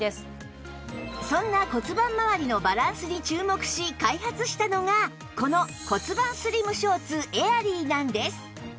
そんな骨盤まわりのバランスに注目し開発したのがこの骨盤スリムショーツエアリーなんです